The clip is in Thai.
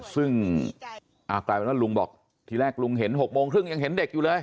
ซึ่งมากนั้นฮะลุงบอกถึงลูกเห็น๖โมงถึงยังเห็นเด็กอยู่เลย